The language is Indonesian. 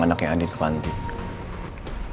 anaknya adi ke pantiasun